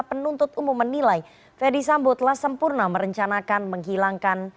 penuntut umum menilai ferdi sambo telah sempurna merencanakan menghilangkan